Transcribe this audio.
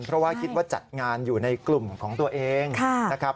เพราะว่าคิดว่าจัดงานอยู่ในกลุ่มของตัวเองนะครับ